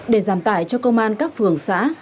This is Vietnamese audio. để giảm tải cho công an các phường xã